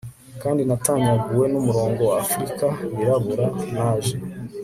kandi natanyaguwe numurongo wa afrika yirabura naje